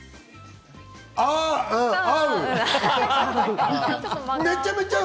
あぁ合う。